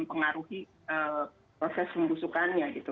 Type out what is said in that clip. mempengaruhi proses pembusukannya gitu